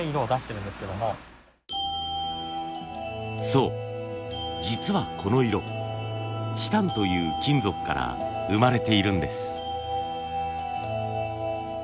そう実はこの色チタンという金属から生まれているんです。